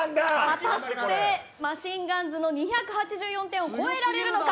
果たしてマシンガンズの２８４点を超えられるのか。